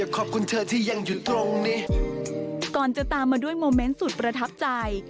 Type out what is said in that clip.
ก่อนจะตามมาด้วยโมเมนต์สุดประทับใจ